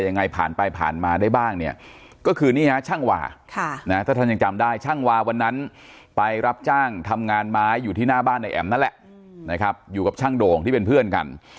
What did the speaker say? นะครับอยู่กับช่างโด่งที่เป็นเพื่อนกัน